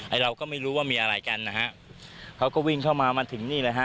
เราก็ไม่รู้ว่ามีอะไรกันนะฮะเขาก็วิ่งเข้ามามาถึงนี่นะฮะ